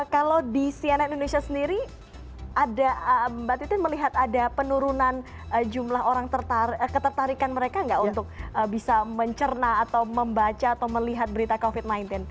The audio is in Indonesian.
kalau di cnn indonesia sendiri mbak titin melihat ada penurunan jumlah orang ketertarikan mereka nggak untuk bisa mencerna atau membaca atau melihat berita covid sembilan belas